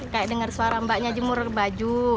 kayak dengar suara mbaknya jemur baju